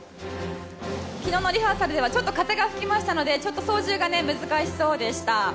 昨日のリハーサルではちょっと風も吹きましたのでちょっと操縦が難しそうでした。